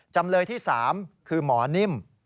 จำเลยที่๓คือหมอนิ่ม